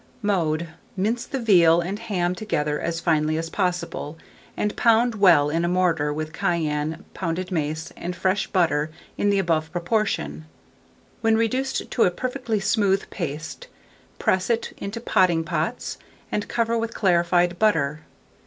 Mode. Mince the veal and ham together as finely as possible, and pound well in a mortar, with cayenne, pounded mace, and fresh butter in the above proportion. When reduced to a perfectly smooth paste, press it into potting pots, and cover with clarified butter.